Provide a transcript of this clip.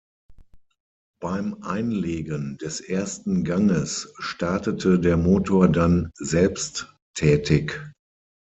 Beim Einlegen des ersten Ganges startete der Motor dann selbsttätig.